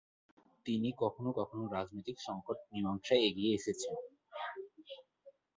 তিনি কখনও কখনও রাজনৈতিক সঙ্কট মীমাংসায় এগিয়ে এসেছেন।